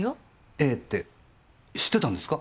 ええって知ってたんですか？